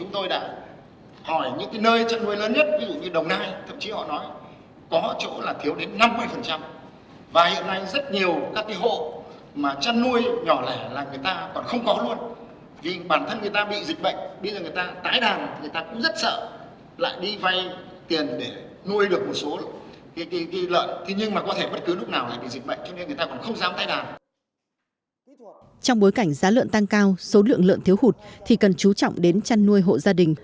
trong bối cảnh giá lợn tăng cao số lượng lợn thiếu hụt thì cần chú trọng đến chăn nuôi hộ gia đình